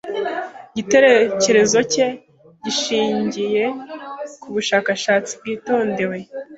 Igitekerezo cye gishingiye ku bushakashatsi bwitondewe.